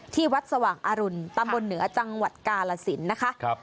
ที่วัดสว่างอรุณตำบลเหนือจังหวัดกาลสินนะคะ